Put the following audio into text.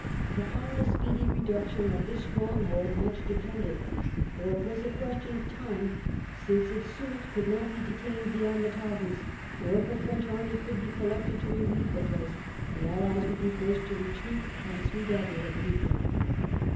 Upon the speedy reduction of this strong hold much depended; for it was a question of time, since if Soult could not be detained beyond the Tagus, or if a French army could be collected to relieve the place, the Allies would be forced to retreat upon Ciudad Rodrigo.